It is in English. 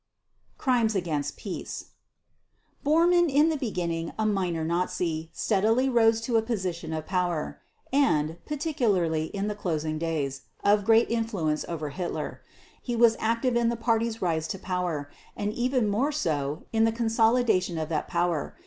Crimes against Peace Bormann in the beginning a minor Nazi, steadily rose to a position of power and, particularly in the closing days, of great influence over Hitler. He was active in the Party's rise to power and even more so in the consolidation of that power.